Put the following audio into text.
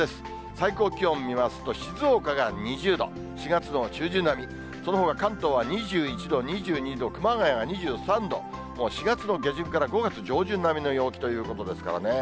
最高気温見ますと、静岡が２０度、４月の中旬並み、そのほか関東は２１度、２２度、熊谷が２３度、もう４月の下旬から５月上旬並みの陽気ということですからね。